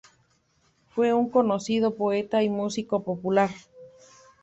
Fue un conocido poeta y músico popular.